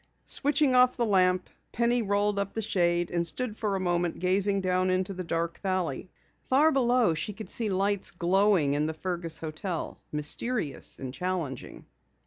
Switching off the lamp, Penny rolled up the shade, and stood for a moment gazing down into the dark valley. Far below she could see lights glowing in the Fergus hotel, mysterious and challenging.